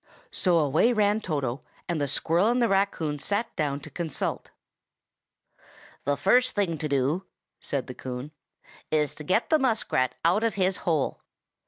So away ran Toto, and the squirrel and the raccoon sat down to consult. "The first thing to do," said Coon, "is to get the muskrat out of his hole.